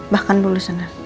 bahkan dulu sana